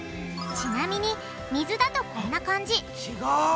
ちなみに水だとこんな感じ違う！